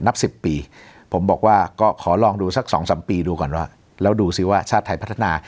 นับ๑๐ปีผมบอกว่าก็ขอลองดูสักสองสามปีดูก่อนว่าแล้วดูสิว่าชาติไทยพัฒนา